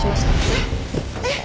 えっえっ！？